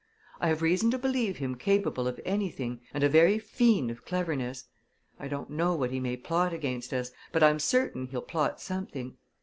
I have reason to believe him capable of anything, and a very fiend of cleverness. I don't know what he may plot against us, but I'm certain he'll plot something.